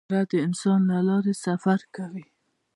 طیاره د اسمان له لارې سفر کوي.